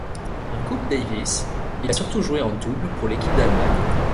En Coupe Davis, il a surtout joué en double pour l'équipe d'Allemagne.